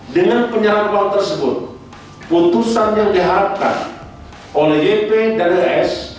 dengan penyerahan uang tersebut putusan yang diharapkan oleh yp dan es